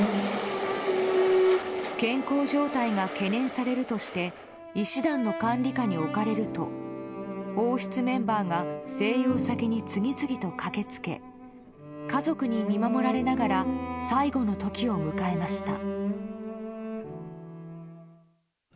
健康状態が懸念されるとして医師団の管理下に置かれると王室メンバーが静養先に次々と駆け付け家族に見守られながら最後の時を迎えました。